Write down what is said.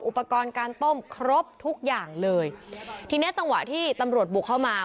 อุปกรณ์การต้มครบทุกอย่างเลยทีเนี้ยจังหวะที่ตำรวจบุกเข้ามา